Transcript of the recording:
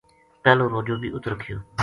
پہلو روجو بے اُت رکھیو۔